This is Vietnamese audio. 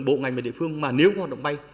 bộ ngành và địa phương mà nếu có hoạt động bay